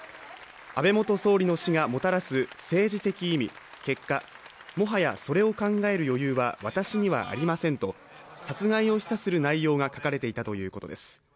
安倍元総理の死がもたらす政治的意味、結果、もはやそれを考える余裕は私にはありませんと殺害を示唆する内容が書かれていたということです。